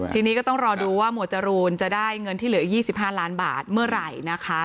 ทีนี้ก็ต้องรอดูว่าหมวดจรูนจะได้เงินที่เหลือ๒๕ล้านบาทเมื่อไหร่นะคะ